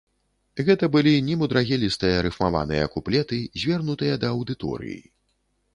Гэта былі немудрагелістыя рыфмаваныя куплеты, звернутыя да аўдыторыі.